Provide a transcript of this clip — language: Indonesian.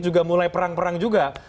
juga mulai perang perang juga